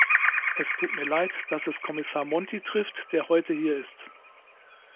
Es tut mir leid, dass es Kommissar Monti trifft, der heute hier ist.